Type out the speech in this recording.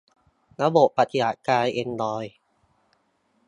ระบบปฏิบัติการแอนดรอยด์